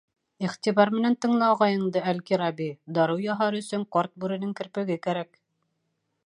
Иғтибар менән тыңла ағайыңды, Әл-Кибари, дарыу яһар өсөн ҡарт бүренең керпеге кәрәк.